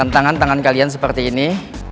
tangan tangan kalian seperti ini